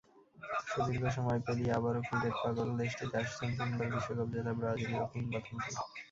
সুদীর্ঘ সময় পেরিয়ে আবারও ক্রিকেট-পাগল দেশটিতে আসছেন তিনবার বিশ্বকাপ জেতা ব্রাজিলীয় কিংবদন্তি।